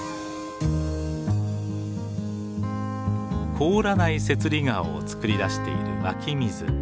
凍らない雪裡川を作り出している湧き水。